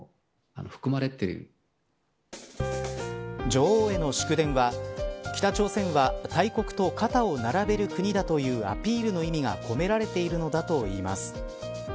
女王への祝電は北朝鮮は大国と肩を並べる国だというアピールの意味が込められているのだといいます。